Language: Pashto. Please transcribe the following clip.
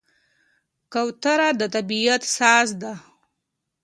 کوتره د طبیعت ساز ده.